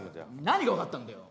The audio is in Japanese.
何が分かったんだよ。